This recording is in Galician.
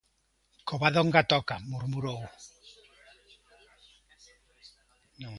Covadonga Toca murmurou.